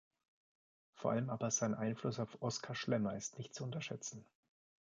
Vor allem aber sein Einfluss auf Oskar Schlemmer ist nicht zu unterschätzen.